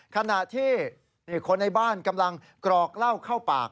ขณะที่คนในบ้านกำลังกรอกเหล้าเข้าปาก